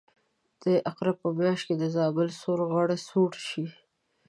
د عقرب په میاشت کې د زابل سور غر سوړ شي.